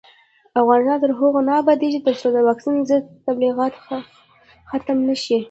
افغانستان تر هغو نه ابادیږي، ترڅو د واکسین ضد تبلیغات ختم نشي.